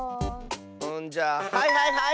じゃあはいはいはい！